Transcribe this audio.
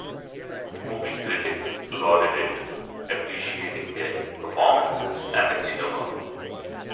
Movie critics lauded it, appreciating their performances and its humor.